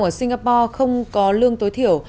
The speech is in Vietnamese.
lao động ở singapore không có lương tối thiểu